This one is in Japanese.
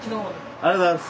ありがとうございます。